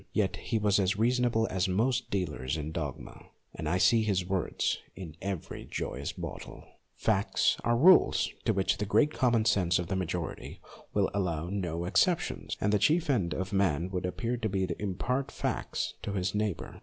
Yet he was as reasonable as most dealers in dogma, and I see his words in every joyous bottle. Facts are rules to which the great common sense of the majority will allow no excep tions, and the chief end of man would appear to be to impart facts to his neighbour.